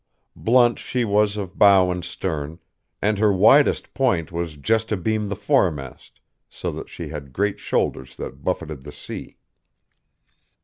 Blunt she was of bow and stern, and her widest point was just abeam the foremast, so that she had great shoulders that buffeted the sea.